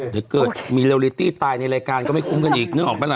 เดี๋ยวเกิดมีเลลิตี้ตายในรายการก็ไม่คุ้มกันอีกนึกออกปะล่ะ